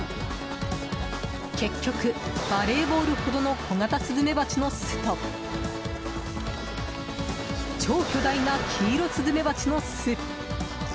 結局、バレーボールほどのコガタスズメバチの巣と超巨大なキイロスズメバチの巣。